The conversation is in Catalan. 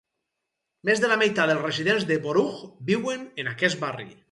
Més de la meitat dels residents de Borough viuen en aquest barri.